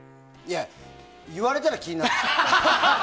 言われたら気になる。